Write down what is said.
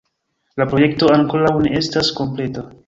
La projekto ankoraŭ ne estas kompleta.